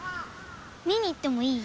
見にいってもいい？